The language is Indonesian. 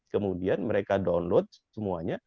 kemudian mereka download semuanya